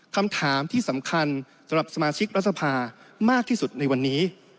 คำถามที่สำคัญสำหรับสมาชิกรัฐสภามากที่สุดในวันนี้